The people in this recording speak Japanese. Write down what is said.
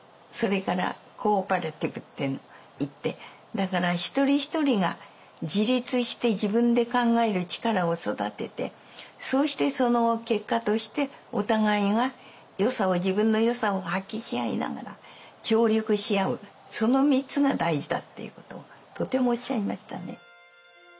だから一人一人が自立して自分で考える力を育ててそうしてその結果としてお互いが自分のよさを発揮し合いながら協力し合うその３つが大事だっていうことをとてもおっしゃいましたね。